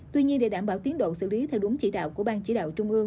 tuy nhiên để đảm bảo tiến độ xử lý theo đúng chỉ đạo của ban chỉ đạo trung ương